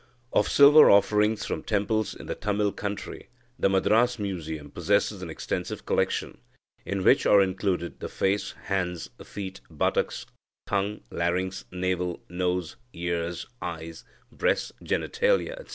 Of silver offerings from temples in the Tamil country, the Madras Museum possesses an extensive collection, in which are included the face, hands, feet, buttocks, tongue, larynx, navel, nose, ears, eyes, breasts, genitalia, etc.